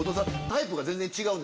タイプが全然違う。